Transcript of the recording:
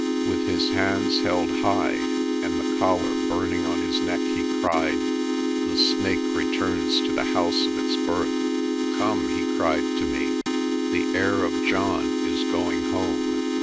With his hands held high and the Collar burning on his neck, he cried, "The Snake returns to the House of its Birth." "Come," he cried to me. "The Heir of John is going home."